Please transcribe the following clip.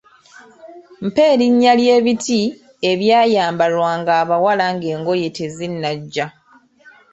Mpa erinnya ly'ebiti ebyayambalwanga abawala ng'engoye tezinnajja.